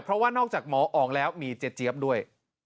เพราะว่านอกจากหมออ๋องแล้วมีเจ๊เจี๊ยบด้วย